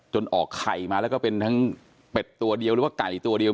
ออกไข่มาแล้วก็เป็นทั้งเป็ดตัวเดียวหรือว่าไก่ตัวเดียว